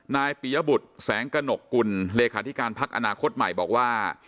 ปียบุตรแสงกระหนกกุลเลขาธิการพักอนาคตใหม่บอกว่า